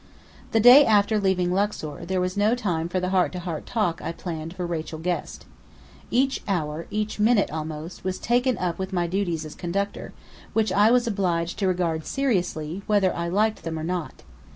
The day after leaving Luxor, there was no time for the heart to heart talk I planned with Rachel Guest. Each hour, each minute almost, was taken up with my duties as Conductor, which I was obliged to regard seriously, whether I liked them or not.